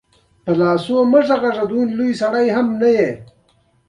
غیر مستقیمه نتیجه بلله.